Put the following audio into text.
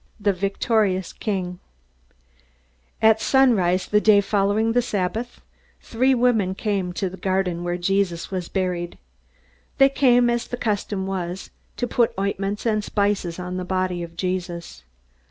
The Victorious King At sunrise the day following the Sabbath, three women came to the garden where Jesus was buried. They came, as the custom was, to put ointments and spices on the body of Jesus.